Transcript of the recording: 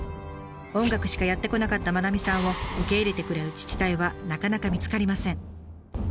音楽しかやってこなかった愛さんを受け入れてくれる自治体はなかなか見つかりません。